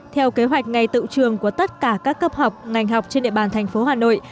theo kế hoạch ngày tự trường của tất cả các cấp học ngành học trên địa bàn thành phố hà nội